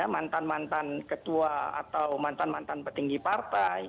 mantan mantan ketua atau mantan mantan petinggi partai